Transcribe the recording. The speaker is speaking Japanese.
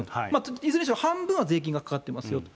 いずれにしろ半分は税金がかかってますよと。